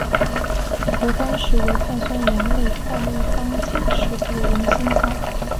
炉甘石为碳酸盐类矿物方解石族菱锌矿。